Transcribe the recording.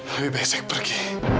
lebih baik saya pergi